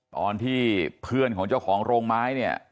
ตอนที่เพื่อนของเจ้าของโรงไม้เนี่ย